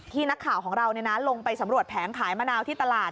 นักข่าวของเราลงไปสำรวจแผงขายมะนาวที่ตลาด